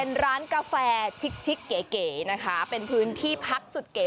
เป็นร้านกาแฟชิกเก๋นะคะเป็นพื้นที่พักสุดเก๋